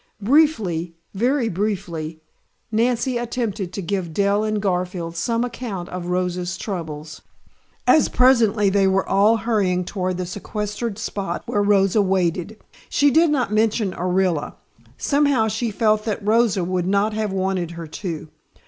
Briefly, very briefly, Nancy attempted to give Dell and Garfield some account of Rosa's troubles, as presently they were all hurrying toward the sequestered spot where Rosa waited. She did not mention Orilla somehow she felt that Rosa would not have wanted her to.